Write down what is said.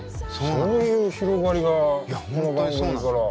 そういう広がりがこの番組から。